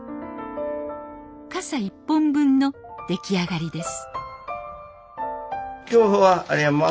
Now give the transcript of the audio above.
傘１本分の出来上がりです